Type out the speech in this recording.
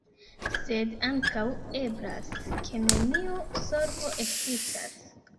Sed ankaŭ eblas, ke nenio solvo ekzistas.